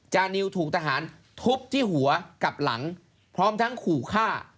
จานิวถูกทหารทุบที่หัวกับหลังพร้อมทั้งขู่ฆ่า